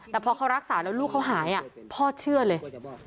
แต่พอเขารักษาแล้วลูกเขาหายพ่อเชื่อเลย